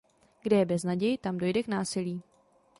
Kde je beznaděj, tam dojde k násilí.